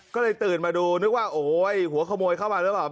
ก็เลยตื่นมาดูนึกว่าโอ้โหหัวขโมยเข้ามาหรือเปล่า